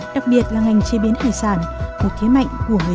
đặc biệt là ngành chế biến